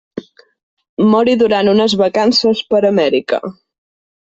Mori durant unes vacances per Amèrica.